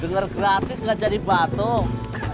denger gratis gak jadi batuk